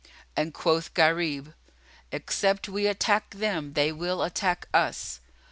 and quoth Gharib, "Except we attack them they will attack us."